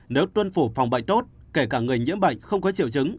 nếu tuân thủ phòng bệnh tốt kể cả người nhiễm bệnh không có triệu chứng